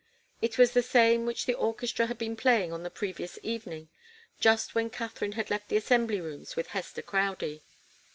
It was the same which the orchestra had been playing on the previous evening, just when Katharine had left the Assembly rooms with Hester Crowdie.